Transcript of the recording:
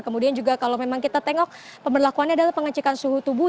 kemudian juga kalau memang kita tengok pemberlakuannya adalah pengecekan suhu tubuh